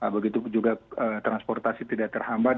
begitu juga transportasi tidak terhambat